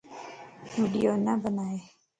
ويڊيو نه بنائي